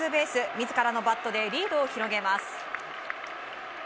自らのバットでリードを広げます。